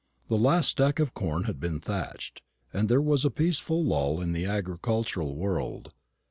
The last stack of corn had been thatched, and there was a peaceful lull in the agricultural world.